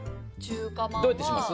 どうやってします？